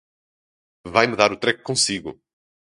Vai-me dar o treco consigo.